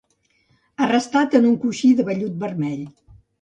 Ha restat en un coixí de vellut vermell.